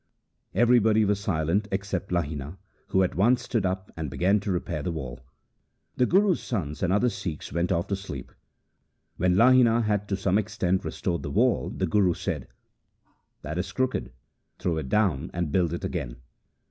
Everybody was silent except Lahina, who at once stood up and began to repair the wall. The Guru's sons and other Sikhs went off to sleep. When Lahina had to some extent restored the wall, the Guru said, ' That is crooked, throw it down, and build it up again.'